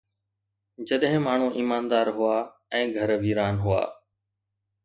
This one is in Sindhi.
جڏهن ماڻهو ايماندار هئا ۽ گهر ويران هئا